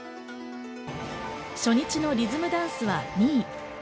初日のリズムダンスは２位。